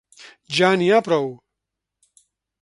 Ja n’hi ha prou.